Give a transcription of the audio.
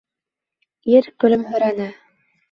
Ир көлөмһөрәне.